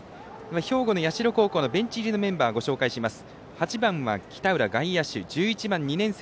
兵庫の社高校のベンチ入りのメンバーをご紹介します。